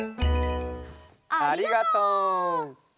ありがとう！